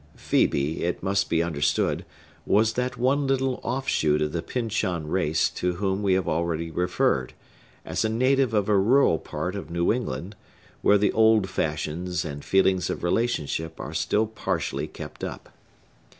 Phœbe, it must be understood, was that one little offshoot of the Pyncheon race to whom we have already referred, as a native of a rural part of New England, where the old fashions and feelings of relationship are still partially kept up.